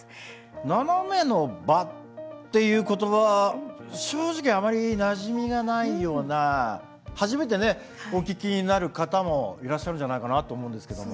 ナナメの場っていう言葉正直あまりなじみがないような初めてねお聞きになる方もいらっしゃるんじゃないかなと思うんですけども。